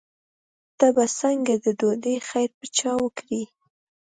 ته به څنګه د ډوډۍ خیر پر چا وکړې.